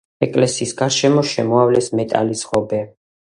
ეკლესიის გარშემო შემოავლეს მეტალის ღობე.